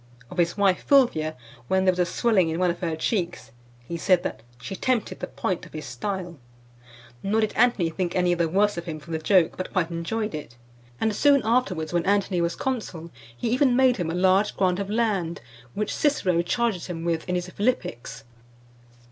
Of his wife, Fulvia, when there was a swelling in one of her cheeks, he said that "she tempted the point of his style;" nor did Antony think any the worse of him for the joke, but quite enjoyed it; and soon afterwards, when Antony was consul , he even made him a large grant of land, which Cicero charges him with in his Philippics .